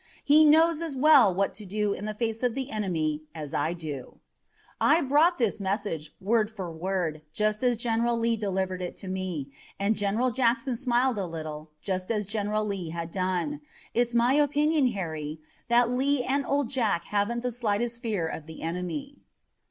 He knows as well what to do in the face of the enemy as I do.' I brought this message, word for word, just as General Lee delivered it to me, and General Jackson smiled a little, just as General Lee had done. It's my opinion, Harry, that Lee and Old Jack haven't the slightest fear of the enemy."